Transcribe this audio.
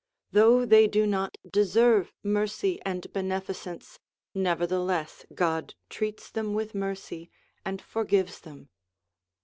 Though they do not deserve mercy and beneficence, nevertheless God treats them with mercy and forgives them.